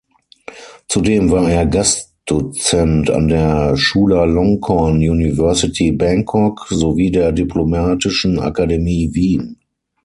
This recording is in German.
Zudem war er Gastdozent an der Chulalongkorn University Bangkok sowie der Diplomatischen Akademie Wien.